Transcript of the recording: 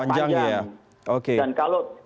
panjang dan kalau